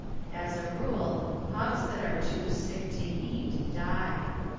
As a rule hogs that arc too sick to eat die.